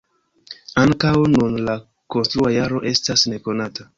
Ankaŭ nun la konstrua jaro estas nekonata.